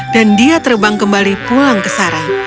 dan dia terbang kembali pulang ke sarang